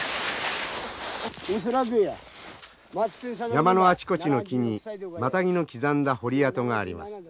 山のあちこちの木にマタギの刻んだ彫り跡があります。